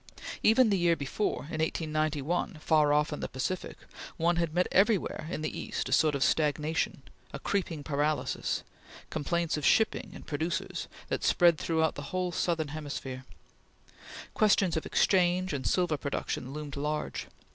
Even the year before, in 1891, far off in the Pacific, one had met everywhere in the East a sort of stagnation a creeping paralysis complaints of shipping and producers that spread throughout the whole southern hemisphere. Questions of exchange and silver production loomed large.